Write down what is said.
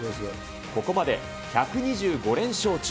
ここまで１２５連勝中。